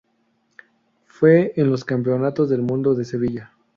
Fue en los Campeonatos del Mundo de Sevilla.